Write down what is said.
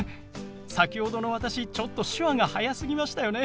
先ほどの私ちょっと手話が速すぎましたよね。